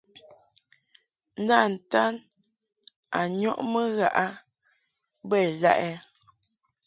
Nda-ntan a nyɔʼmɨ ghaʼ a bə ilaʼ ɛ ?